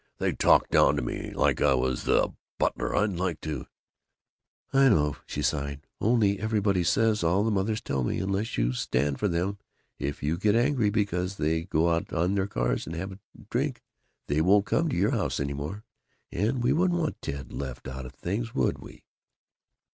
They talk down to me like I was the butler! I'd like to " "I know," she sighed; "only everybody says, all the mothers tell me, unless you stand for them, if you get angry because they go out to their cars to have a drink, they won't come to your house any more, and we wouldn't want Ted left out of things, would we?"